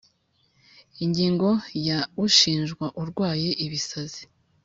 Ingingo ya ushinjwa arwaye ibisazi